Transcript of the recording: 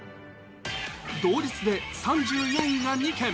同率で３４位が２県。